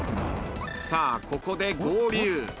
［さあここで合流］